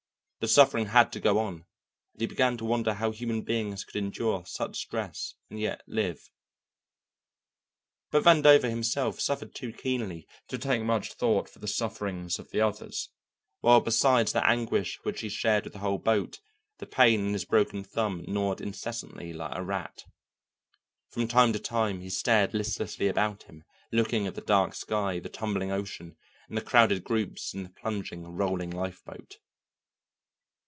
The suffering had to go on, and he began to wonder how human beings could endure such stress and yet live. But Vandover himself suffered too keenly to take much thought for the sufferings of the others, while besides that anguish which he shared with the whole boat, the pain in his broken thumb gnawed incessantly like a rat. From time to time he stared listlessly about him, looking at the dark sky, the tumbling ocean, and the crowded groups in the plunging, rolling lifeboat.